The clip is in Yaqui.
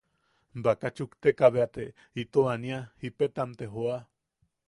Baka chukteka bea te ito ania, jipetam te joa.